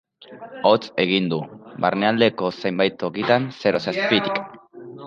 Hotz egingo du, barnealdeko zenbait tokitan zeroz azpitik.